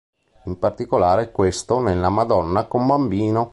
In particolare questo nella Madonna con Bambino.